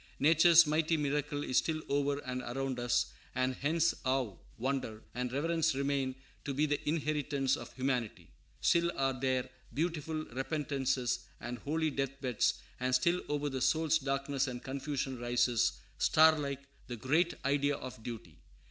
Nature's mighty miracle is still over and around us; and hence awe, wonder, and reverence remain to be the inheritance of humanity; still are there beautiful repentances and holy deathbeds; and still over the soul's darkness and confusion rises, starlike, the great idea of duty.